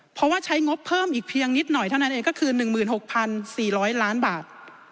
เพราะว่าใช้งบเพิ่มอีกเพียงนิดหน่อยเท่านั้นเองก็คือ๑๖๔๐๐ล้านบาท